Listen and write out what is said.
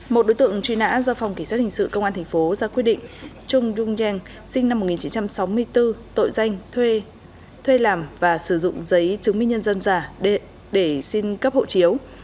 một đối tượng truy nã do phòng kỳ sát hình sự công an thành phố ra quyết định trung dung yang sinh năm một nghìn chín trăm sáu mươi bốn tội danh thuê thuê làm và sử dụng giấy chứng minh nhân dân giả để xin cấp hộ chiếu